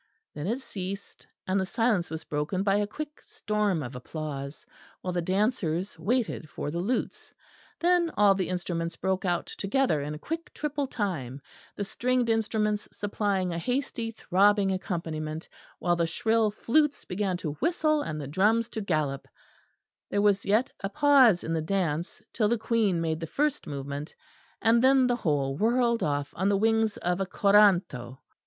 Then it ceased; and the silence was broken by a quick storm of applause; while the dancers waited for the lutes. Then all the instruments broke out together in quick triple time; the stringed instruments supplying a hasty throbbing accompaniment, while the shrill flutes began to whistle and the drums to gallop; there was yet a pause in the dance, till the Queen made the first movement; and then the whole whirled off on the wings of a coranto.